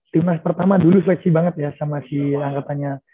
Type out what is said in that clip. timnas pertama dulu flexi banget ya sama si anggapannya